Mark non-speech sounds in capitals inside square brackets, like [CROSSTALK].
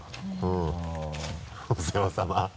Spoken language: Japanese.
お世話さま [LAUGHS]